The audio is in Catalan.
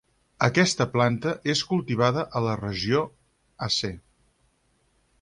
Aquesta planta és cultivada a la regió Aceh.